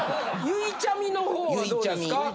ゆいちゃみの方はどうですか。